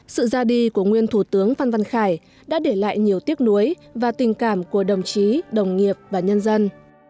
sự ra đi của nguyên thủ tướng phan văn khải đã để lại nhiều tiếc nuối và tình cảm của đồng chí đồng nghiệp và nhân dân